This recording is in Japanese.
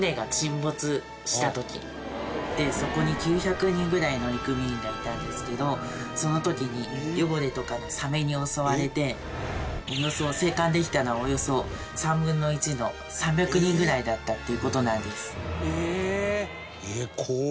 そこに９００人ぐらい乗組員がいたんですけどその時にヨゴレとかのサメに襲われて生還できたのはおよそ３分の１の３００人ぐらいだったという事なんです。